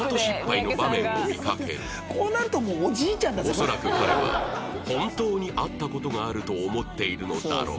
恐らく彼は本当に会った事があると思っているのだろう